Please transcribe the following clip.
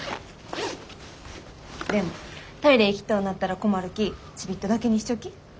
でもトイレ行きとうなったら困るきちびっとだけにしとき。